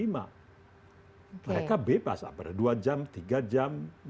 mereka bebas apalagi dua jam tiga jam